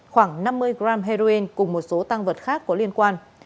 khoảng năm mươi g heroin cùng một số tăng vật khác có liên quan